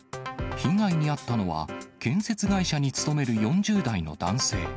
被害に遭ったのは、建設会社に勤める４０代の男性。